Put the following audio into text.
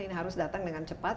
ini harus datang dengan cepat